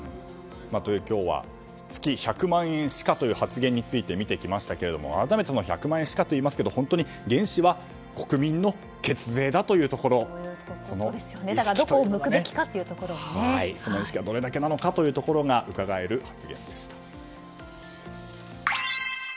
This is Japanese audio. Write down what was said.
今日は月１００万円しかという発言について見ていきましたが改めて１００万円しかと言いますが原資は国民の血税だというところその意識がどれだけなのかというところがうかがえる発言でした。